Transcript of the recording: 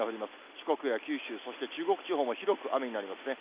四国や九州、そして中国地方も広く雨になりますね。